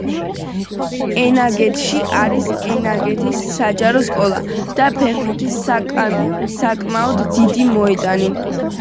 ენაგეთში არის ენაგეთის საჯარო სკოლა და ფეხბურთის საკმაოდ დიდი მოედანი.